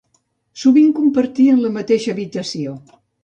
Sovint compartien la mateixa habitació.